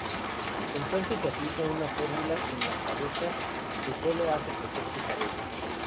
Entonces se aplica una fórmula en la cabeza, que solo hace crecer su cabello.